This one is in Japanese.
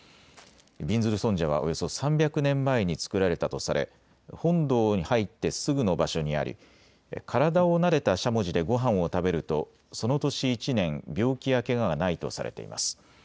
びんずる尊者はおよそ３００年前に作られたとされ本堂に入ってすぐの場所にあり体をなでたしゃもじでごはんを食べるとその年１年病気やけががないとされています。